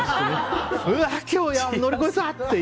今日乗り越えた！という。